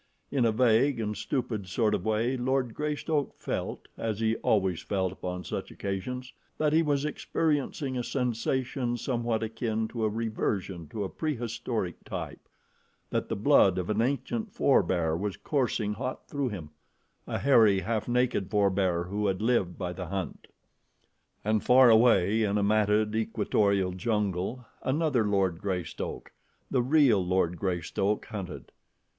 In a vague and stupid sort of way Lord Greystoke felt, as he always felt upon such occasions, that he was experiencing a sensation somewhat akin to a reversion to a prehistoric type that the blood of an ancient forbear was coursing hot through him, a hairy, half naked forbear who had lived by the hunt. And far away in a matted equatorial jungle another Lord Greystoke, the real Lord Greystoke, hunted.